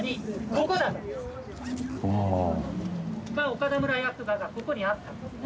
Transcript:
岡田村役場がここにあったんですね。